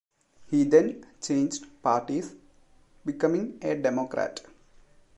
He then changed parties, becoming a Democrat.